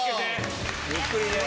ゆっくりで。